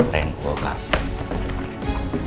ren gua mau ke kafe